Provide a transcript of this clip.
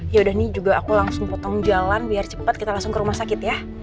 yaudah nih juga aku langsung potong jalan biar cepat kita langsung ke rumah sakit ya